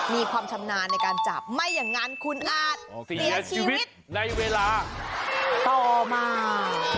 มีความชำนาญในการจับไม่อย่างนั้นคุณอาจเสียชีวิตในเวลาต่อมา